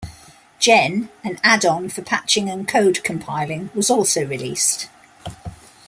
Gen, an add-on for patching and code compiling was also released.